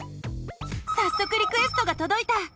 さっそくリクエストがとどいた！